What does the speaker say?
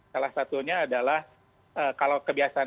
salah satunya adalah kalau kebiasaan